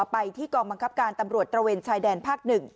ไปที่กองบังคับการตำรวจตระเวนชายแดนภาค๑